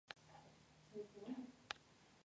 Imágenes del rodaje fueron subidas en su Twitter.